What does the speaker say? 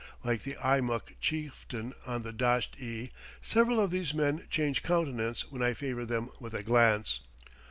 Like the Eimuck chieftain on the Dasht i several of these men change countenance when I favor them with a glance.